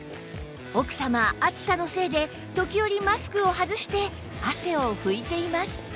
奥様暑さのせいで時折マスクを外して汗を拭いています